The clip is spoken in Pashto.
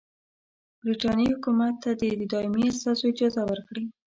برټانیې حکومت ته دي د دایمي استازو اجازه ورکړي.